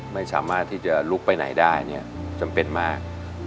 ไม่สามารถที่จะลุกไปไหนได้เนี่ยจำเป็นมาก